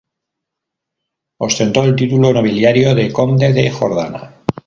Ostentó el título nobiliario de conde de Jordana.